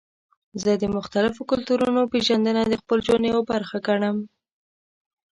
زه د مختلفو کلتورونو پیژندنه د خپل ژوند یوه برخه ګڼم.